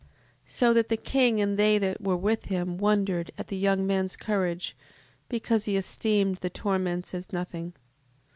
7:12. So that the king, and they that were with him, wondered at the young man's courage, because he esteemed the torments as nothing.